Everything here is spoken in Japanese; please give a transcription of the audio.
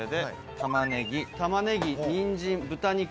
玉ねぎにんじん豚肉の順に。